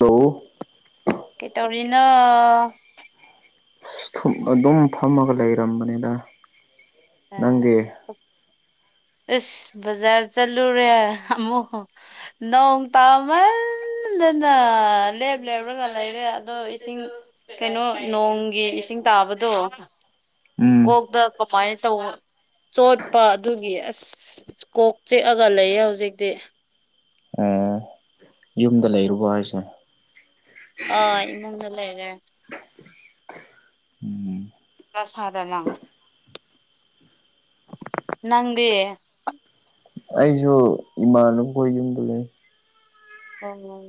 ꯂꯣ ꯀꯩꯇꯧꯔꯤꯅꯣ [unintelligible] ꯑꯗꯨꯝ ꯐꯝꯃꯒ ꯂꯩꯔꯝꯕꯅꯤꯅ ꯑ ꯏꯁꯁ ꯕꯖꯥꯔ ꯆꯠꯂꯨꯔꯦ ꯑꯃꯨꯛ [unintelligible] ꯅꯣꯡ ꯇꯥꯃꯜ ꯗꯅ ꯂꯦꯞ ꯂꯩꯔꯨꯔꯒ ꯂꯩꯔꯦ ꯑꯗꯣ ꯏꯁꯤꯡ ꯀꯩꯅꯣ ꯅꯣꯡꯒꯤ ꯏꯁꯤꯡ ꯇꯥꯕꯗꯣ ꯎꯝ ꯀꯣꯛꯇ ꯀꯃꯥꯏꯅ ꯇꯧꯕ ꯆꯣꯠꯄ ꯑꯗꯨꯒꯤ ꯑꯁ ꯀꯣꯛ ꯆꯤꯛꯑꯒ ꯂꯩꯌꯦ ꯍꯧꯖꯤꯛꯇꯤ ꯑꯣ ꯌꯨꯝꯗ ꯂꯩꯔꯨꯕ ꯍꯥꯏꯁꯦ ꯑ ꯏꯃꯨꯡꯗ ꯂꯩꯔꯦ ꯎꯝ ꯅꯥꯁꯥꯗ ꯂꯥꯡꯉꯣ ꯅꯪꯗꯤ ꯑꯩꯁꯨ ꯏꯃꯥꯟꯅꯕꯈꯣꯏ ꯌꯨꯝꯗꯨ ꯂꯩ ꯑꯣ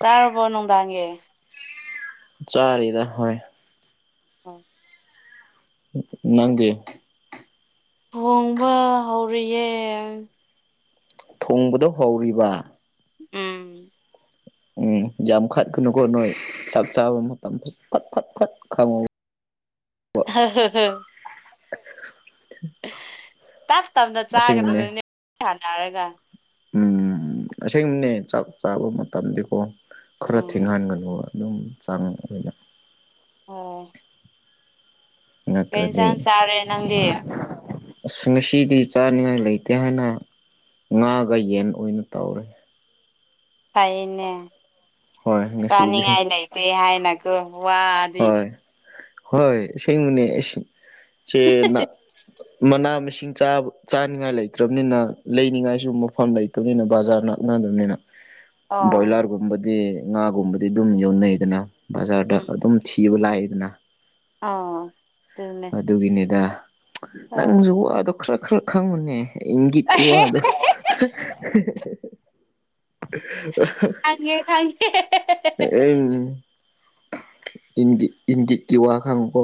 ꯆꯥꯔꯕꯣ ꯅꯨꯡꯗꯥꯡꯒꯤ ꯆꯥꯔꯤꯗ ꯍꯣꯏ ꯑꯣ ꯅꯪꯒꯤ ꯊꯣꯡꯕ ꯍꯧꯔꯤꯌꯦ [unintelligible] ꯊꯣꯡꯕꯗꯣ ꯍꯧꯔꯤꯕ ꯎꯝ ꯎꯝ ꯌꯥꯝ ꯈꯠꯀꯅꯨꯀꯣ ꯅꯣꯏ ꯆꯥꯛ ꯆꯥꯕ ꯃꯇꯝ ꯐꯠ ꯐꯠ ꯐꯠ ꯈꯪꯉꯨ [unintelligible] ꯇꯞ ꯇꯞꯅ ꯑꯁꯦꯡꯕꯅꯦ ꯆꯥꯒꯗꯕꯅꯤꯅꯦ ꯁꯥꯟꯅꯔꯒ ꯎꯝ ꯑꯁꯦꯡꯕꯅꯦ ꯆꯥꯛ ꯆꯥꯕ ꯃꯇꯝꯗꯤꯀꯣ ꯈꯔ ꯎꯝ ꯊꯦꯡꯍꯟꯒꯅꯨ ꯑꯗꯨꯝ ꯆꯥꯡ ꯑꯣꯏꯅ ꯑꯣ ꯀꯩ ꯅꯠꯇ꯭ꯔꯗꯤ ꯏꯟꯁꯥꯡ ꯆꯥꯔꯦ ꯅꯪꯗꯤ ꯑꯁ ꯉꯁꯤꯗꯤ ꯆꯥꯅꯤꯡꯉꯥꯏ ꯂꯩꯇꯦ ꯍꯥꯏꯅ ꯉꯥꯒ ꯌꯦꯟ ꯑꯣꯏꯅ ꯇꯧꯔꯦ ꯐꯩꯅꯦ ꯍꯣꯏ ꯉꯁꯤꯗꯤ ꯆꯥꯅꯤꯡꯉꯥꯏ ꯂꯩꯇꯦ ꯍꯥꯏꯅꯀꯣ ꯋꯥꯗꯤ ꯍꯣꯏ ꯍꯣꯏ ꯑꯁꯦꯡꯕꯅꯦ ꯢꯁ ꯆꯦꯅ ꯃꯅꯥ ꯃꯁꯤꯡ ꯆꯥ ꯆꯥꯅꯤꯡꯉꯥꯏ ꯂꯩꯇ꯭ꯔꯕꯅꯤꯅ ꯂꯩꯅꯤꯡꯉꯥꯏꯁꯨ ꯃꯐꯝ ꯂꯩꯇ ꯇꯝꯅꯤꯅꯥ ꯕꯖꯥꯔ ꯅꯛꯅꯗꯕꯅꯤꯅ [inaudible] ꯕꯣꯏꯂꯔꯒꯨꯝꯕꯗꯤ ꯉꯥꯒꯨꯝꯕꯗꯤ ꯑꯗꯨꯝ ꯌꯣꯟꯅꯩꯗꯅ ꯕꯖꯥꯔꯗ ꯎꯝ ꯑꯗꯨꯝ ꯊꯤꯕ ꯂꯥꯛꯑꯦꯗꯅ ꯑꯣ ꯇꯨꯝꯃꯦ ꯑꯗꯨꯒꯤꯅꯦꯗ ꯅꯪꯁꯨ ꯋꯥꯗꯣ ꯈꯔ ꯈꯔ ꯈꯪꯉꯨꯅꯦ ꯏꯪꯒꯤꯠꯀꯤ ꯋꯥꯗꯣ [unintelligible] ꯑ ꯊꯦꯡꯦ ꯊꯦꯡꯦ ꯑꯦ ꯏꯟꯗꯤ ꯏꯟꯗꯤ ꯇꯤꯋ ꯈꯪ ꯀꯣ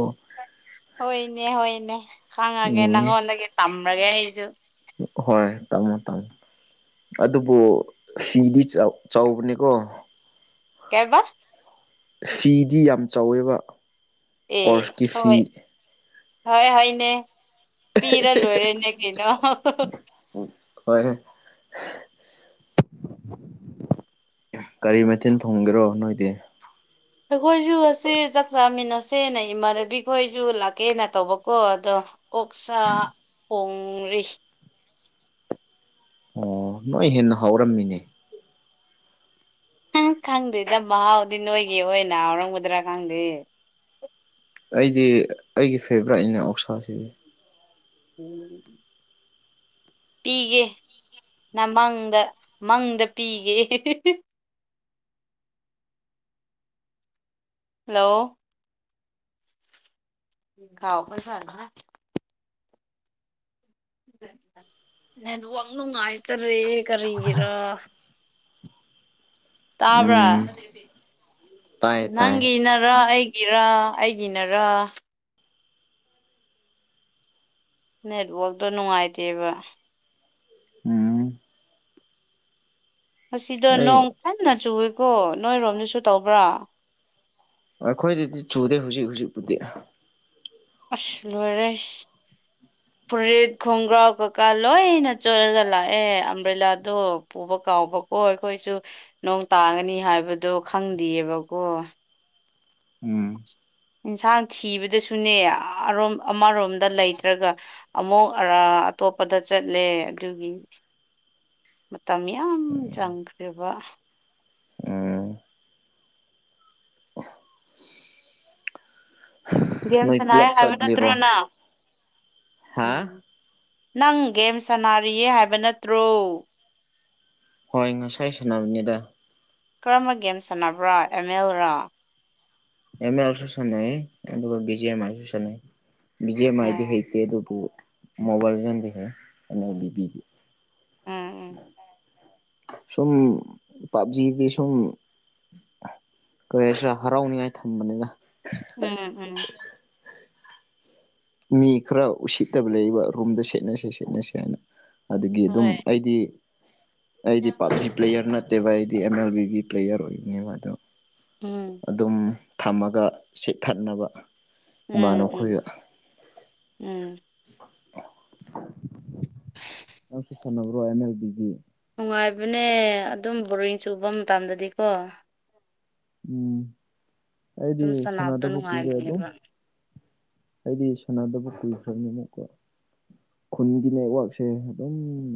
ꯍꯣꯏꯅꯦ ꯍꯣꯏꯅꯦ ꯈꯪꯉꯒꯦ ꯎꯝ ꯅꯉꯣꯟꯗꯒꯤ ꯇꯝꯃꯒꯦ ꯑꯩꯁꯨ ꯍꯣꯏ ꯇꯝꯃꯣ ꯇꯥꯝꯃꯣ ꯑꯗꯨꯕꯨ ꯐꯤꯗꯤ ꯆꯥꯎꯕꯅꯤꯀꯣ ꯀꯌꯥꯕꯔ ꯐꯤꯗꯤ ꯌꯥꯝ ꯆꯥꯎꯋꯦꯕ ꯑꯦ ꯀꯣꯔꯁꯀꯤ ꯐꯤ ꯍꯣꯏ ꯍꯣꯏ ꯍꯣꯏꯅꯦ ꯄꯤꯔ ꯂꯣꯏꯔꯦꯅꯦ ꯀꯩꯅꯣ ꯎ ꯍꯣꯏ ꯀꯔꯤ ꯃꯊꯤꯟ ꯊꯣꯡꯒꯦꯔꯣ ꯅꯣꯏꯗꯤ ꯑꯩꯈꯣꯏꯁꯨ ꯑꯁꯦ ꯆꯥꯛ ꯆꯥꯃꯤꯟꯅꯁꯦꯅ ꯏꯃꯥꯟꯅꯕꯤ ꯈꯣꯏꯁꯨ ꯂꯥꯛꯀꯦꯅ ꯇꯧꯕꯀꯣ ꯑꯗꯣ ꯀꯥꯛꯆꯥ ꯍꯣꯡꯔꯤ ꯑꯣ ꯅꯣꯏ ꯍꯦꯟꯅ ꯍꯧꯔꯝꯃꯤꯅꯦ ꯈꯪꯗꯦꯗ ꯃꯍꯥꯎꯗꯤ ꯅꯣꯏꯒꯤ ꯑꯣꯏꯅ ꯍꯥꯎꯔꯝꯒꯗ꯭ꯔꯥ ꯈꯪꯗꯦ ꯑꯩꯗꯤ ꯑꯩꯒꯤ ꯐꯦꯕꯣꯔꯥꯏꯠꯅꯦ ꯑꯣꯛꯁꯥꯁꯤ ꯎꯝ ꯄꯤꯒꯦ ꯅ ꯃꯪꯗ ꯃꯪꯗ ꯄꯤꯒꯦ ꯍꯜꯂꯣ ꯍꯥꯎ ꯀꯁꯥꯅ ꯅꯦ ꯋꯥꯛ ꯅꯨꯡꯉꯥꯏꯇꯔꯦ ꯀꯔꯤꯒꯤꯔꯥ ꯇꯥꯕ꯭ꯔꯥ ꯎꯝ ꯇꯥꯏ ꯇꯥꯏ ꯅꯪꯒꯤꯅꯔꯣ ꯑꯩ ꯒꯤꯔ ꯑꯩꯒꯤꯅꯔ ꯅꯦꯠꯋꯥꯛ ꯇꯣꯠ ꯅꯨꯡꯉꯥꯏꯇꯦꯕ ꯎꯝ ꯑꯁꯤꯗꯣ ꯑꯩ ꯅꯣꯡ ꯀꯟꯅ ꯆꯨꯏꯑꯦ ꯀꯣ ꯅꯣꯏꯔꯣꯝꯗꯁꯨ ꯇꯧꯕ꯭ꯔꯥ ꯑꯩꯈꯣꯏꯗꯗꯤ ꯆꯨꯗꯦ ꯍꯧꯖꯤꯛ ꯍꯧꯖꯤꯛꯄꯨꯗꯤ ꯑꯁ ꯂꯣꯏꯔꯦ ꯐꯨꯔꯤꯠ ꯈꯣꯡꯒ꯭ꯔꯥꯎ ꯀꯥꯂꯣꯏ ꯆꯣꯏꯠꯂꯒ ꯂꯥꯛꯑꯦ ꯑꯝꯕ꯭ꯔꯦꯂꯥꯗꯣ ꯄꯨꯕ ꯀꯥꯎꯕꯀꯣ ꯑꯩꯈꯣꯏꯁꯨ ꯅꯣꯡ ꯇꯥꯒꯅꯤ ꯍꯥꯏꯕꯗꯣ ꯈꯪꯗꯦꯑꯕꯀꯣ ꯎꯝ ꯑꯦꯟꯁꯥꯡ ꯊꯤꯕꯗꯁꯨꯅꯦꯣꯝ ꯑꯃꯔꯣꯝꯗ ꯂꯩꯇ꯭ꯔꯒ ꯑꯃꯨꯛ ꯑꯇꯣꯞꯄꯗ ꯆꯠꯂꯦ ꯑꯗꯨꯒꯤ ꯃꯇꯝ ꯌꯥꯝ ꯆꯪꯈꯔꯦ ꯕ ꯎꯝ [unintelligible] ꯒꯦꯝ ꯅꯣꯏ ꯁꯅꯩ ꯄꯨꯂꯞ ꯍꯥꯏꯕ ꯅꯠꯇ꯭ꯔꯣ ꯆꯠꯂꯤꯔꯣ ꯅꯪ ꯍꯥ ꯎꯝ ꯅꯪ ꯒꯦꯝ ꯁꯥꯟꯅꯔꯤꯌꯦ ꯍꯥꯏꯕ ꯅꯠꯇ꯭ꯔꯣ ꯍꯣꯏ ꯉꯁꯥꯏ ꯁꯥꯟꯅꯕꯅꯤꯗ ꯀꯔꯝꯕ ꯒꯦꯝ ꯁꯥꯟꯅꯕ꯭ꯔꯣ ꯑꯦꯝ ꯑꯦꯜꯔꯣ ꯃꯦꯝ ꯃꯦꯟ ꯁꯨ ꯁꯥ ꯅꯩ ꯕꯣꯜ ꯃ ꯏ ꯁꯨ ꯁꯥꯅꯩ ꯕꯤ ꯖꯤ ꯑꯦꯝ ꯑꯥꯏꯗꯤ ꯎꯝ ꯍꯩꯇꯦ ꯑꯗꯨꯕꯨ ꯃꯣꯕꯥꯏꯜꯖꯅꯗꯤ ꯍꯦꯛ ꯀꯩꯅꯣ ꯂꯤꯕꯤꯗꯦ ꯎꯝ ꯎꯝ ꯁꯨꯝ ꯄꯕꯖꯤꯗꯤ ꯁꯨꯝ ꯀꯔꯤꯁꯨꯔ ꯍꯔꯥꯎꯅꯤꯉꯥꯏ ꯊꯝꯕꯅꯤꯅ ꯎꯝ ꯎꯝ꯫ ꯃꯤ ꯈꯔ ꯎꯁꯤꯠꯇꯕ ꯂꯩꯕ ꯔꯨꯝꯗ ꯁꯦꯠꯅꯁꯦ ꯁꯦꯠꯅꯁꯦ ꯍꯥꯏꯅ꯫ ꯑꯗꯨꯒꯤ ꯑꯗꯨꯝ ꯍꯣꯏ ꯑꯩꯗꯤ ꯑꯩꯗꯤ ꯄꯞꯖꯤ ꯄ꯭ꯂꯦꯌꯔ ꯅꯠ ꯇꯦꯕ ꯑꯩꯗꯤ ꯑꯦꯝ ꯑꯦꯜ ꯕꯤꯕꯤ ꯄ꯭ꯂꯦꯌꯔ ꯑꯣꯏꯕꯅꯦ ꯑꯗꯣ ꯎꯝ ꯑꯗꯨꯝ ꯊꯝꯃꯒ ꯁꯤꯠꯊꯠꯅꯕ꯫ ꯎꯝ ꯎꯝ ꯎꯝ꯫ [unintelligible] ꯅꯪꯁꯨ ꯁꯥꯟꯅꯕ꯭ꯔꯣ ꯑꯦꯝ ꯑꯦꯜ ꯕꯤꯕꯤ꯫ ꯅꯨꯡꯉꯥꯏꯕꯅꯦ ꯑꯗꯨꯝ ꯕꯣꯔꯤꯡ ꯆꯨꯕ ꯃꯇꯝꯗꯗꯤꯀꯣ꯫ ꯎꯝ ꯑꯩꯗꯤ ꯑꯗꯨꯝ ꯁꯥꯟꯅꯕꯗꯣ ꯁꯥꯟꯅꯗꯕ ꯀꯨꯏꯔꯦ ꯑꯗꯨꯝ꯫ ꯅꯨꯡꯉꯥꯏꯕꯅꯦꯕ ꯑꯩꯗꯤ ꯁꯥꯟꯅꯗꯕ ꯀꯨꯏꯈ꯭ꯔꯕꯅꯤ ꯑꯃꯨꯛꯀ꯫ ꯈꯨꯟꯒꯤ ꯅꯦꯠꯋꯥꯛꯁꯦ ꯑꯗꯨꯝ